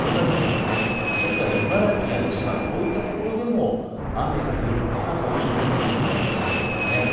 ですから茨城や千葉こういった所でも雨が夜はぱらぱらと降るかもしれません。